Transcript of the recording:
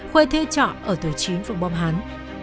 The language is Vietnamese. khuê thuê trọ ở tờ chín phòng bòm hán